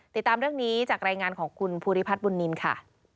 ติดตามเรื่องนี้จากรายงานของคุณภูริพัฒน์บุญนินค่ะ